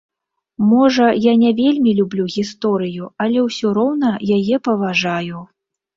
Можа, я не вельмі люблю гісторыю, але ўсё роўна яе паважаю.